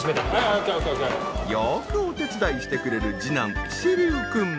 よくお手伝いしてくれる２男獅琉君。